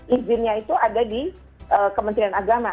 izinnya itu ada di kementerian agama